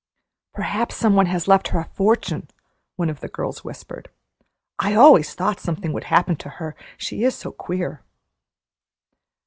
"Perhaps some one has left her a fortune," one of the girls whispered. "I always thought something would happen to her, she is so queer."